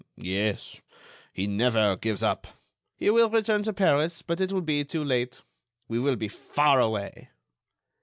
"Yes; he never gives up. He will return to Paris; but it will be too late. We will be far away."